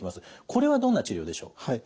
これはどんな治療でしょう？